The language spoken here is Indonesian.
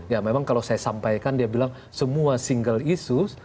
ya memang kalau saya sampaikan dia bilang semua single issues